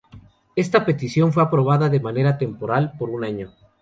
Esa petición fue aprobada de manera temporal, por un año.